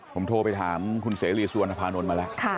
ผมโทรไปถามคุณเสรีสุวรรณภานนท์มาแล้ว